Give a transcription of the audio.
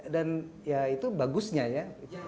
dan ya itu bagusnya ya